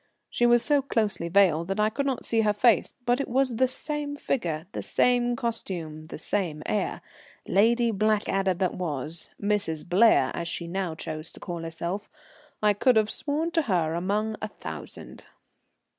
She was so closely veiled that I could not see her face, but it was the same figure, the same costume, the same air. Lady Blackadder that was, Mrs. Blair as she now chose to call herself, I could have sworn to her among a thousand.